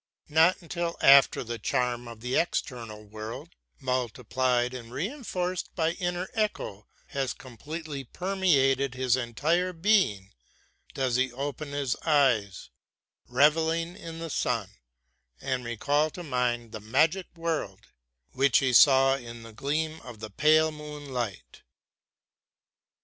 Not until after the charm of the external world, multiplied and reinforced by an inner echo, has completely permeated his entire being, does he open his eyes, reveling in the sun, and recall to mind the magic world which he saw in the gleam of the pale moonlight.